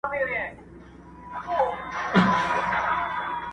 د ګیدړ په باټو ډېر په ځان غره سو٫